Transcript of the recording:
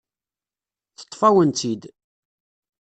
Teṭṭef-awen-tt-id.